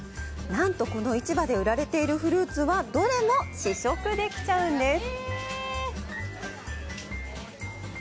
なんと、この市場で売られているフルーツはどれも試食できちゃうんです！